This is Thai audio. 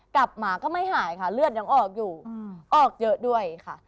หมาก็ไม่หายค่ะเลือดยังออกอยู่ออกเยอะด้วยค่ะ